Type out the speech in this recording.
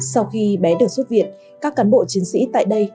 sau khi bé được xuất viện các cán bộ chiến sĩ tại đây